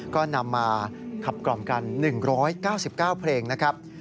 ก็นำมาขับกล่อมกัน๑๙๙เพลงนะครับ